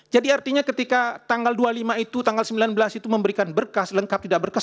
jadi artinya ketika tanggal dua puluh lima itu tanggal sembilan belas itu memberikan berkas lengkap tidak berkas